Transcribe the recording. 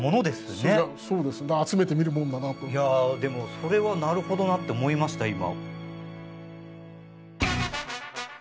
そうですねいやでもそれはなるほどなって思いました今。